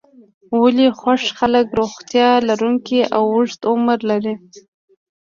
ولې خوښ خلک روغتیا لرونکی او اوږد عمر لري.